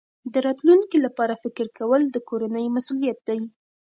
د راتلونکي لپاره فکر کول د کورنۍ مسؤلیت دی.